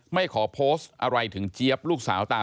ไม่ขอโพสต์อะไรถึงเจี๊ยบลูกสาวตา